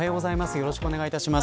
よろしくお願いします。